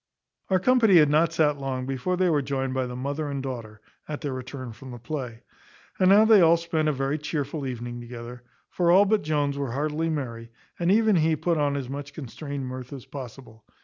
Our company had not sat long before they were joined by the mother and daughter, at their return from the play. And now they all spent a very chearful evening together; for all but Jones were heartily merry, and even he put on as much constrained mirth as possible.